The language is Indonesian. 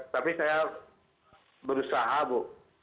tapi saya berusaha bu